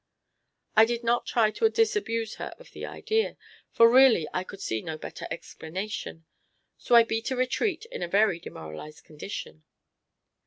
I did not try to disabuse her of the idea, for really I could see no better explanation; so I beat a retreat in a very demoralised condition.